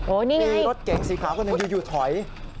โอ้นี่ไงรถเก๋งสีขาวคนนั้นอยู่ถอย